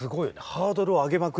ハードルを上げまくり。